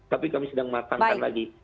tapi kami sedang matangkan lagi